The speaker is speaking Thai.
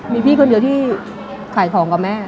มีพี่คนเดียวที่ขายของกับแม่